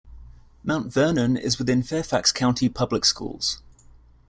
Mount Vernon is within Fairfax County Public Schools.